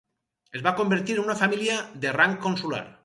Es va convertir en una família de rang consular.